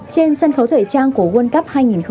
trên sân khấu thể trang của world cup hai nghìn hai mươi hai